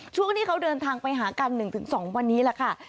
ช่วงที่เขาเดินทางไปหากัน๑๒วันนี้แหละค่ะ